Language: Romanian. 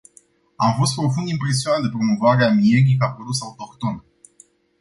Am fost profund impresionat de promovarea mierii ca produs autohton.